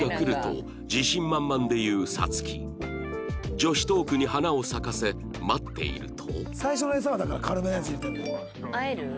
女子トークに花を咲かせ待っていると